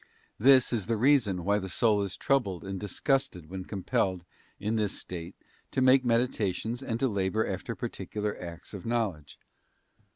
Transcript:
This is the reason why the soul is troubled and disgusted when compelled, in this state, to make meditations and to labour after particular acts of knowledge.